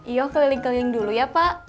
iya keliling keliling dulu ya pak